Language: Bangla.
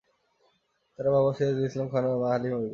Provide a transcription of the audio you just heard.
তার বাবা সিরাজুল ইসলাম খান ও মা হালিমা বেগম।